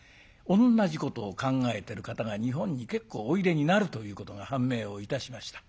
同じことを考えてる方が日本に結構おいでになるということが判明をいたしました。